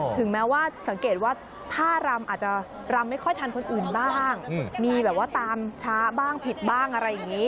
ถึงแม้ว่าสังเกตว่าท่ารำอาจจะรำไม่ค่อยทันคนอื่นบ้างมีแบบว่าตามช้าบ้างผิดบ้างอะไรอย่างนี้